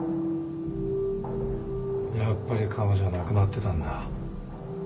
やっぱり彼女亡くなってたんだ。